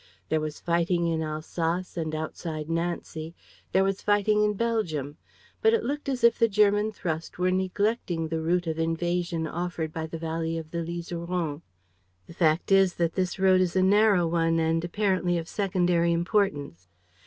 There was fighting in Alsace and outside Nancy, there was fighting in Belgium; but it looked as if the German thrust were neglecting the route of invasion offered by the valley of the Liseron. The fact is that this road is a narrow one and apparently of secondary importance.